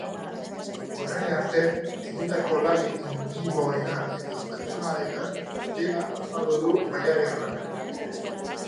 Orain arte egindako lanik intimoena eta pertsonalena dela azaldu du mallabiarrak.